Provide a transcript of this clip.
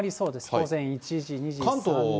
午前１時、２時、３時。